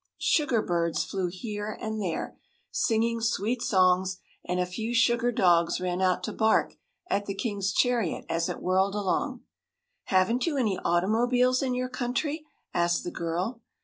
Sugar birds flew here and there, singing sweet songs, and a few sugar dogs ran out to bark at the king's chariot as it whirled along. "Haven't you any automobiles in your country?" asked the girl.